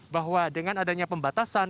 bahwa dengan adanya pembatasan